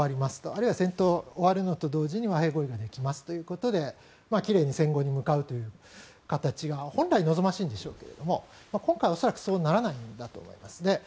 あるいは戦闘が終わるのと同時に和平合意ができますということで奇麗に戦後に向かうという形が本来望ましいんでしょうけれども今回恐らくそうならないんだと思います。